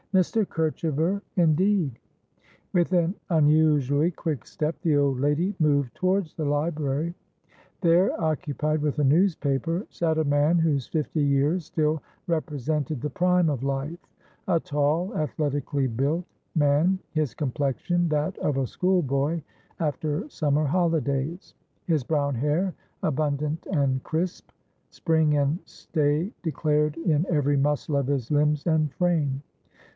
"Mr. Kerchever? Indeed?" With an unusually quick step, the old lady moved towards the library. There, occupied with a newspaper, sat a man whose fifty years still represented the prime of life, a tall, athletically built man, his complexion that of a schoolboy after summer holidays, his brown hair abundant and crisp, spring and stay declared in every muscle of his limbs and frame.